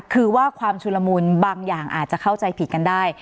คือว่าความชุลมุนบางอย่างอาจจะเข้าใจผิดกันได้